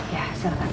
ya silakan pak